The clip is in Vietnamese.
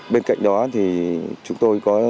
bên cạnh đó thì chúng tôi có